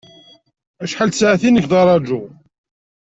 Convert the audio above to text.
Acḥal n tsaɛtin nekk d araǧu.